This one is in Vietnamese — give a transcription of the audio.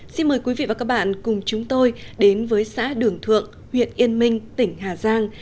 xin mời quý vị và các bạn cùng chúng tôi đến với xã đường thượng huyện yên minh tỉnh hà giang